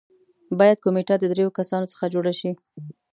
باید کمېټه د دریو کسانو څخه جوړه شي.